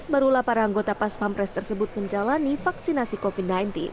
barulah para anggota pas pampres tersebut menjalani vaksinasi covid sembilan belas